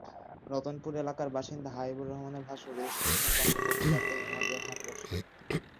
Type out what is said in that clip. রতনপুর এলাকার বাসিন্দা হাবিবুর রহমানের ভাষ্য, রেলস্টেশনের পাশে প্রতি রাতেই মদের হাট বসে।